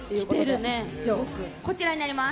こちらになります。